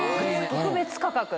特別価格？